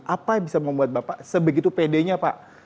apa yang bisa membuat bapak sebegitu pedenya pak